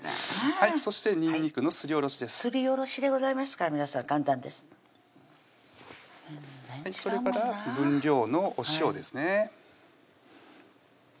そしてにんにくのすりおろしですすりおろしでございますから皆さん簡単ですそれから分量のお塩ですね